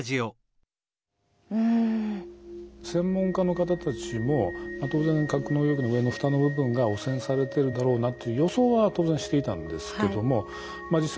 専門家の方たちも当然格納容器の上の蓋の部分が汚染されてるだろうなという予想は当然していたんですけどもまあ